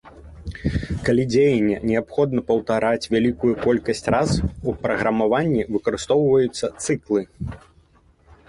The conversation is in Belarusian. Калі дзеянне неабходна паўтараць вялікую колькасць раз, у праграмаванні выкарыстоўваюцца цыклы.